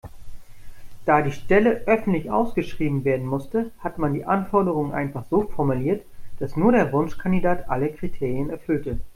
Da die Stelle öffentlich ausgeschrieben werden musste, hat man die Anforderungen einfach so formuliert, dass nur der Wunschkandidat alle Kriterien erfüllte.